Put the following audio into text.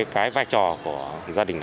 cái vai trò của gia đình